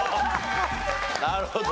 なるほど。